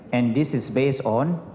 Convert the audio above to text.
dan ini berdasarkan